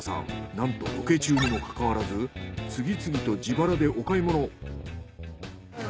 なんとロケ中にもかかわらず次々と自腹でお買い物。